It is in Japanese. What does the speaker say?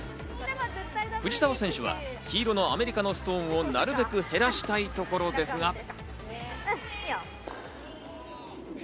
藤澤選手は黄色のアメリカのストーンをなるべく減らしたいところですが。